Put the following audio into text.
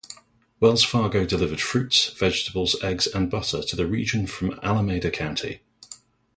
Wells Fargo delivered fruits, vegetables, eggs, and butter to the region from Alameda County.